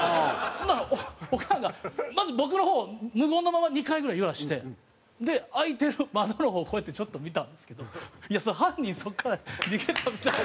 ほんならオカンがまず僕の方を無言のまま２回ぐらい揺らして開いてる窓の方をこうやってちょっと見たんですけど犯人そこから逃げたみたいな。